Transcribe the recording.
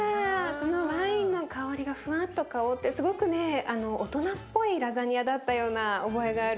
そのワインの香りがふわっと香ってすごくね大人っぽいラザニアだったような覚えがある。